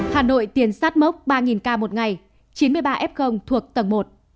hà nội tiền sát mốc ba ca một ngày chín mươi ba f thuộc tầng một